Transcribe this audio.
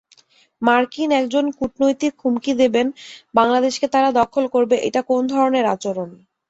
মার্কিন একজন কূটনৈতিক হুমকি দেবেন, বাংলাদেশকে তারা দখল করবে-এটা কোন ধরনের আচরণ।